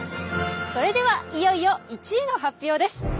それではいよいよ１位の発表です！